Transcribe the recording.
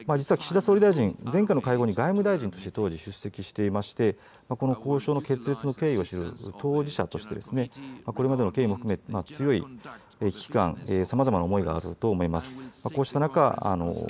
実は、岸田総理大臣前回の会合に外務大臣として当時、出席していましてこの交渉の決裂の経緯を知る当事者としてこれまでの経緯も含め強い危機感さまざまな思いがあると思います。